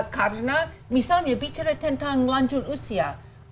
karena misalnya bicara tentang lanjut usia